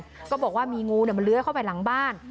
เขาก็บอกว่ามีงูเนี่ยมันเลื้อเข้าไปหลังบ้าน